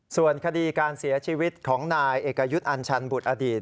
ส่วนคดีการเสียชีวิตของนายเอกยุทธ์อัญชันบุตรอดีต